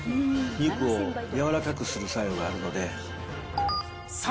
肉を柔らかくする作用があるので。